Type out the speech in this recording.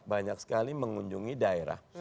banyak sekali mengunjungi daerah